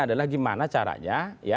adalah gimana caranya